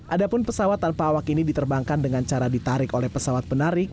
ada pun pesawat tanpa awak ini diterbangkan dengan cara ditarik oleh pesawat penarik